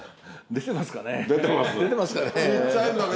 出てますか。